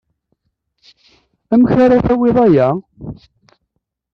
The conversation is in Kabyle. Amek ara d-tawiḍ aya?